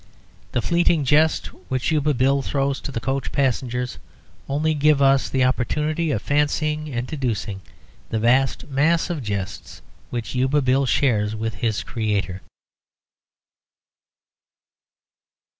The fleeting jests which Yuba Bill throws to the coach passengers only give us the opportunity of fancying and deducing the vast mass of jests which Yuba Bill shares with his creator.